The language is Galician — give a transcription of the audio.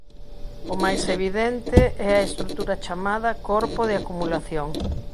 O máis evidente é a estrutura chamada "corpo de acumulación".